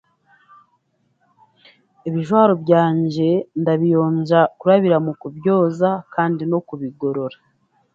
Ebijwaaro byange ndabiyonja kurabira mukubyooza kandi n'okubigorora.